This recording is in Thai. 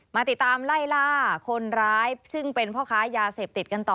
มาติดตามไล่ล่าคนร้ายซึ่งเป็นพ่อค้ายาเสพติดกันต่อ